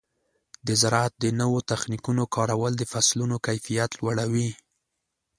د زراعت د نوو تخنیکونو کارول د فصلونو کیفیت لوړوي.